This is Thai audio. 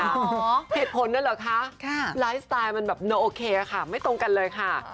เหตุผลนั่นเหรอคะไลฟ์สไตล์มันแบบโนโอเคค่ะไม่ตรงกันเลยค่ะ